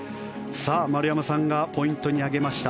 丸山さんがポイントに挙げました